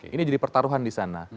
ini jadi pertaruhan di sana